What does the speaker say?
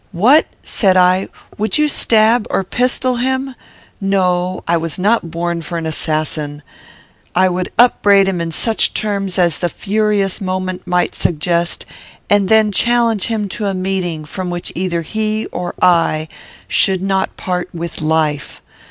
"'What! (said I,) would you stab or pistol him? "'No. I was not born for an assassin. I would upbraid him in such terms as the furious moment might suggest, and then challenge him to a meeting, from which either he or I should not part with life.